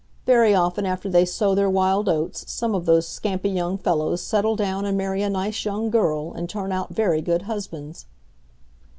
Very often, after they sow their wild oats, some of those scampy young fellows settle down and marry a nice young girl and turn out very good husbands."